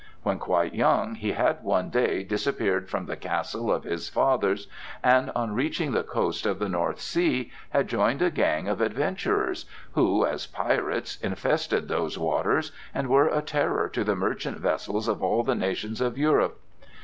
When quite young he had one day disappeared from the castle of his fathers and, on reaching the coast of the North Sea, had joined a gang of adventurers who, as pirates, infested those waters and were a terror to the merchant vessels of all the nations of Europe.